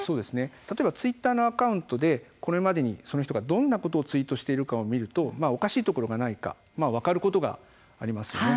例えばツイッターのアカウントでこれまでにその人がどんなことをツイートしているかを見るとおかしいところがないか分かることがあります。